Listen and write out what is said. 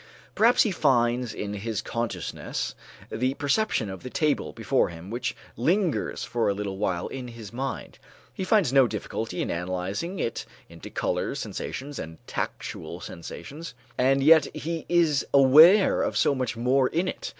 Perhaps he finds in his consciousness the perception of the table before him which lingers for a little while in his mind. He finds no difficulty in analyzing it into color sensations and tactual sensations; and yet he is aware of so much more in it.